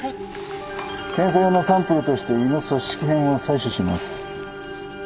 検査用のサンプルとして胃の組織片を採取します。